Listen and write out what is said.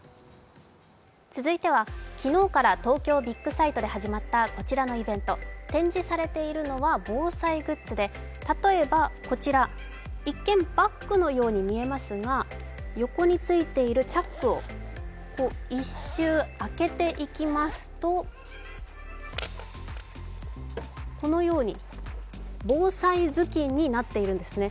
続いては今日から東京ビッグサイトて始まったこちらのイベント、展示されているのは防災グッズで、例えばこちら、一見バッグのように見えますが横についているチャックを１周開けていきますと、このように、防災頭巾になっているんですね。